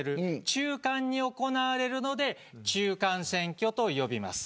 中間に行われるので中間選挙と呼びます。